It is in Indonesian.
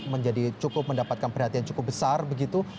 menjadi cukup mendapatkan perhatian cukup besar begitu